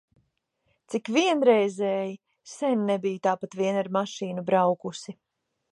Cik vienreizēji! Sen nebiju tāpat vien ar mašīnu braukusi.